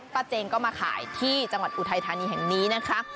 ป้าเจงก็มาขายที่จังหวัดอุไทยทานีอยู่อยู่นะคะ